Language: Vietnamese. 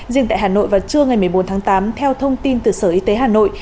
riêng tại hà nội vào trưa ngày một mươi bốn tháng tám theo thông tin từ sở y tế hà nội